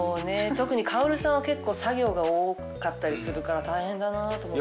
特に薫さんは結構作業が多かったりするから大変だなぁと思って。